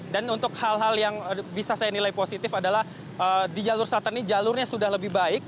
dan untuk hal hal yang bisa saya nilai positif adalah di jalur selatan ini jalurnya sudah lebih baik